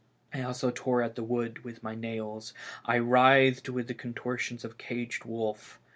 I also tore at the wood with my nails; I writhed with the contortions of a caged wolf.